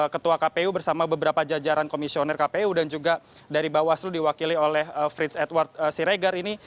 ketua kpu bersama beberapa jajaran komisioner kpu dan juga dari bawaslu diwakili oleh frits edward siregar ini